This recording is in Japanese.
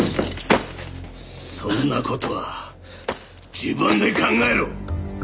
そんな事は自分で考えろ！